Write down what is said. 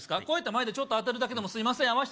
こうやって前でちょっとあてるだけでも「すいません」